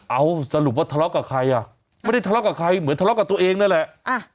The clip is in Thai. เอาสรุปว่าทะเลาะกับใครอ่ะไม่ได้ทะเลาะกับใครเหมือนทะเลาะกับตัวเองนั่นแหละ